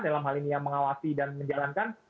dalam hal ini yang mengawasi dan menjalankan